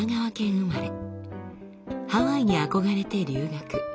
ハワイに憧れて留学。